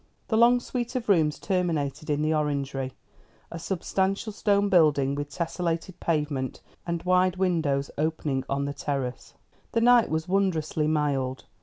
The long suite of rooms terminated in the orangery, a substantial stone building with tesselated pavement, and wide windows opening on the terrace. The night was wondrously mild.